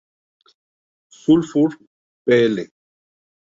Sulphur" pl.